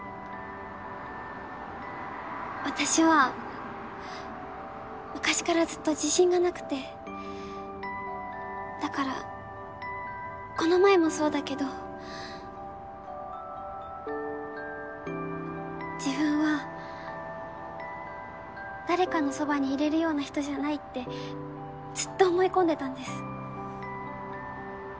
私は昔からずっと自信がなくてだからこの前もそうだけど自分は誰かのそばにいれるような人じゃないってずっと思い込んでたんです